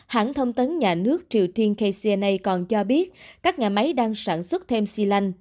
hãng thông tấn nhà nước triều tiên kcna còn cho biết các nhà máy đang sản xuất thêm xi lanh